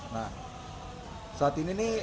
nah saat ini nih